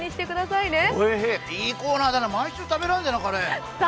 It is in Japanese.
いいコーナーだな、毎週食べられるんだな、カレー。